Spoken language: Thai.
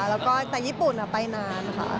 แล้วก็แต่ญี่ปุ่นไปนานค่ะ